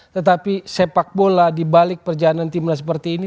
tetapi sepak bola di balik perjalanan timnas seperti ini